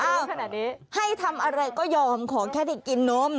เอ้าให้ทำอะไรก็ยอมขอแค่ได้กินนม